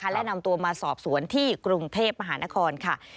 และนำตัวมาสอบสวนที่กรุงเทพมหานครค่ะ